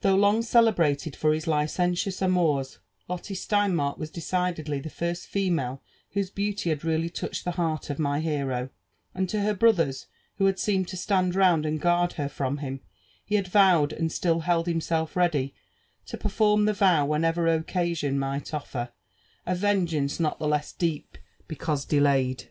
ThoOgh long celel^ated for his lioentious atnours, Lotte Steinmark was decidedly the first female whose beauty had really touched the heart of my hero ; and to her brothers, who had seemed to stand round and guard her from him, he had vowed, and still held himself ready to perform the vow whenever occasion might ctfer, a vengeance not the less deep because delayed.